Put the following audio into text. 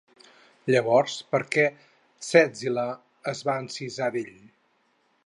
Llavors, per què Ctesil·la es va encisar d'ell?